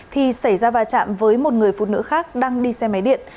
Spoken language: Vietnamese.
thì xảy ra va chạm với một người phụ nữ khác đang đi xe máy điện